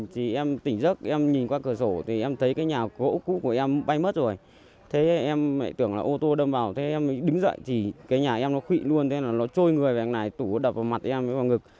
các nhà em đứng dậy chỉ cái nhà em nó khụy luôn nó trôi người vào hàng này tủ đập vào mặt em vào ngực